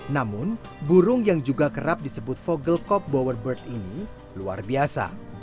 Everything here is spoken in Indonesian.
namun burung yang juga kerap disebut vogelkopf bowerbird ini luar biasa